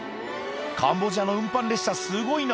カンボジアの運搬列車すごいな。